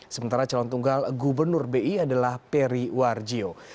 sementara calon tunggal gubernur bi adalah peri warjio